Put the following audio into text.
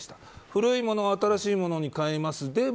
古いものを新しいものに変えます。